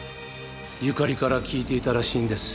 由佳里から聞いていたらしいんです。